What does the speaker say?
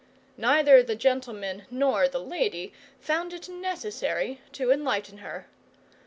Neither the gentleman nor the lady found it necessary to enlighten her.